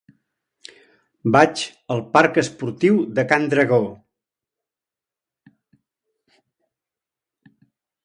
Vaig al parc Esportiu de Can Dragó.